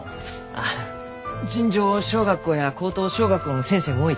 ああ尋常小学校や高等小学校の先生も多いきね。